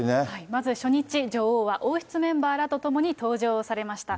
まず初日、女王は王室メンバーらと共に登場されました。